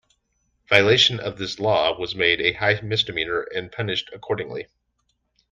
Violation of this law was made a high misdemeanor and punished accordingly.